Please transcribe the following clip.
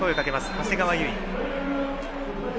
長谷川唯。